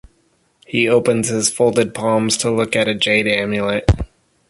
He opens his folded palms to look at a jade amulet.